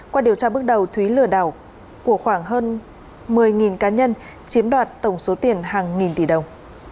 qua điều tra bước đầu thúy lừa đảo của khoảng hơn một mươi cá nhân chiếm đoạt tổng số tiền hàng nghìn tỷ đồng